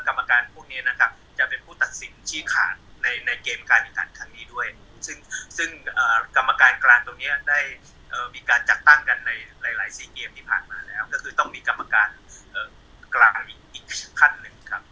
กรรมการพวกนี้นะครับจะเป็นผู้ตัดสินชี้ขาดในในเกมการแข่งขันครั้งนี้ด้วยซึ่งซึ่งกรรมการกลางตรงนี้ได้มีการจัดตั้งกันในหลายสี่เกมที่ผ่านมาแล้วก็คือต้องมีกรรมการกลางอีกท่านหนึ่งครับ